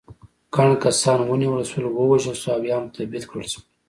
ګڼ کسان ونیول شول، ووژل شول او یا هم تبعید کړل شول.